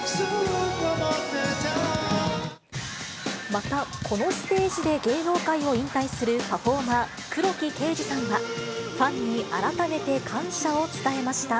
また、このステージで芸能界を引退するパフォーマー、黒木啓司さんはファンに改めて感謝を伝えました。